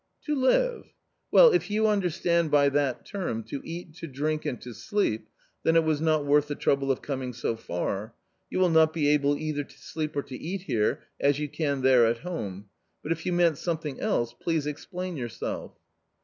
" To live ? Well if you understand by that term, to eat, to drink, and to sleep, then it was not worth the trouble of coming so far : you will not be able either to sleep or to eat here as you can there at home; but if you meant something else please explain yourself."